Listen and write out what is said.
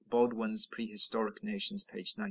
(Baldwin's "Prehistoric Nations," p. 91.)